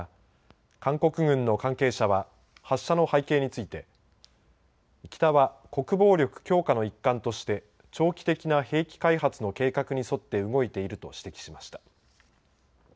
また韓国軍の関係者は発射の背景について北は国防力強化の一環として長期的な兵器開発の計画に沿って動いていると指摘しました。